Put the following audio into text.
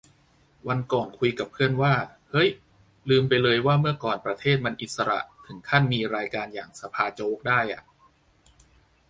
วันก่อนคุยกับเพื่อนว่า เฮ้ย ลืมไปเลยว่าเมื่อก่อนประเทศมันอิสระถึงขั้นมีรายการอย่าง สภาโจ๊ก ได้อ่ะ